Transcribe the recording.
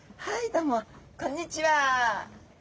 どうもこんにちは。